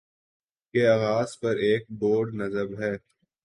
کے آغاز پر ایک بورڈ نصب ہے